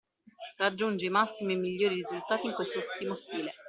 Raggiunge i massimi e migliori risultati in quest’ultimo stile.